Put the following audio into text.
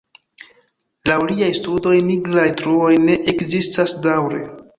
Laŭ liaj studoj, nigraj truoj ne ekzistas daŭre.